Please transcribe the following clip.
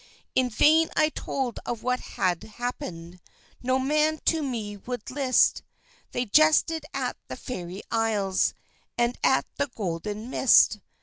In vain I told of what had happed; No man to me would list; They jested at the Fairy Isles, And at the Golden Mist.